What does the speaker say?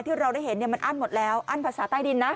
ที่เราได้เห็นมันอั้นหมดแล้วอั้นภาษาใต้ดินนะ